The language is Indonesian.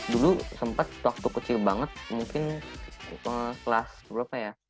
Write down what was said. dulu sempat waktu kecil banget mungkin kelas berapa ya